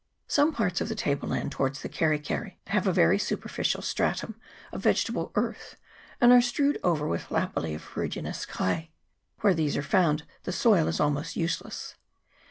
Some parts of the table land towards the Keri keri have a very superficial stratum of vegetable earth, and are strewed over with lapilli of ferrugi nous clay ; where these are found the soil is almost useless.